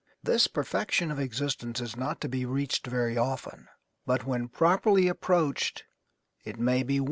This perfection of existence is not to be reached very often; but when properly approached it may be won.